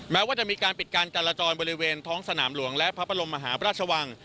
แม้ว่าจะมีการปิดการจราจรบริเวณท้องสนามหลวงและพระบรมมหาพระราชวัง